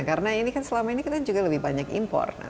karena ini kan selama ini kita juga lebih banyak impor